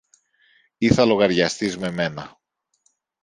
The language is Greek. ή θα λογαριαστείς με μένα.